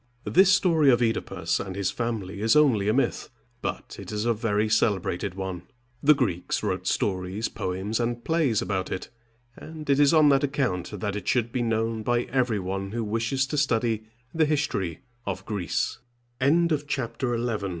This story of OEdipus and his family is only a myth, but it is a very celebrated one. The Greeks wrote stories, poems, and plays about it, and it is on that account that it should be known by every one who wishes to study th